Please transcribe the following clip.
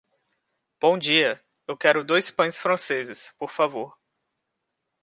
Bom dia! Eu quero dois pães franceses, por favor.